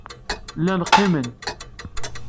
Llan qqimen.